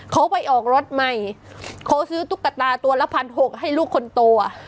เขาไปออกรถใหม่เขาซื้อตุ๊กตาตัวละพันหกให้ลูกคนโต